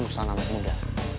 susana anak muda